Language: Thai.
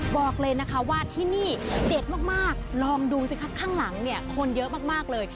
บอกเลยนะคะว่าที่นี่เด็ดมากลองดูสิครับข้างหลังเนี่ยคนเยอะมากเลย